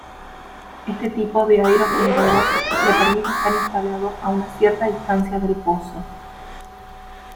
Este tipo de aerogenerador le permite estar instalado a una cierta distancia del pozo.